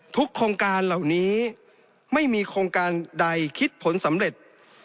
โครงการเหล่านี้ไม่มีโครงการใดคิดผลสำเร็จ